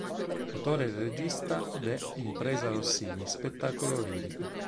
Autore e regista de “Impresa Rossini”, spettacolo lirico.